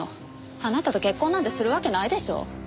あなたと結婚なんてするわけないでしょ。